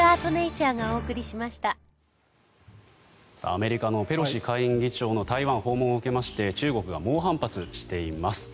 アメリカのペロシ下院議長の台湾訪問を受けまして中国が猛反発しています。